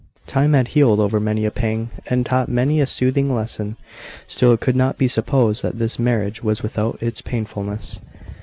Time had healed over many a pang, and taught many a soothing lesson; still it could not be supposed that this marriage was without its painfulness.